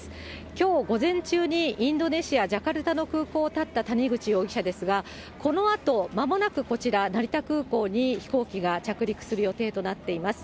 きょう午前中にインドネシア・ジャカルタの空港をたった谷口容疑者ですが、このあと、まもなくこちら、成田空港に飛行機が着陸する予定となっています。